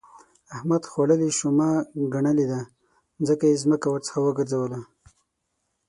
احمد يې خوړلې شومه ګنلی دی؛ ځکه يې ځمکه ورڅخه وګرځوله.